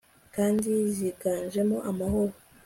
kandi ziganjemo amahoro